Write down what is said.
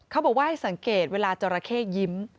เขาบอกว่าให้สังเกตเวลาจราเข้ยิ้ม